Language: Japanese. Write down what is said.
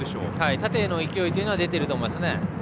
縦への勢いは出ていると思いますね。